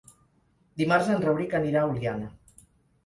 Dimarts en Rauric anirà a Oliana.